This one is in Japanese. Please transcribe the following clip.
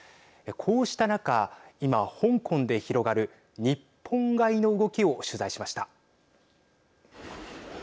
こうした中、今香港で広がる日本買いの動きを取材しました。